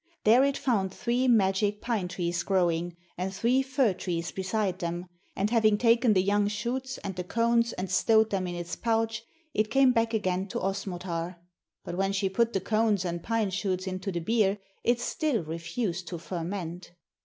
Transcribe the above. There it found three magic pine trees growing, and three fir trees beside them, and having taken the young shoots and the cones and stowed them in its pouch, it came back again to Osmotar. But when she put the cones and pine shoots into the beer, it still refused to ferment.